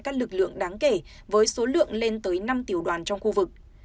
các lực lượng đáng kể với số lượng lên tới năm tiểu đoàn trong khu vực